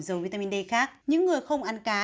dầu vitamin d khác những người không ăn cá